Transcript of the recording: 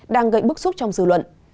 đang gậy bức xúc trong dự luận